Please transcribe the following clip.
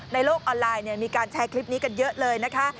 ในโลกออนไลน์มีการแชร์คลิปนี้กันเยอะเลยนะคะ